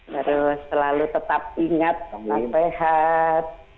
harus selalu tetap ingat tetap sehat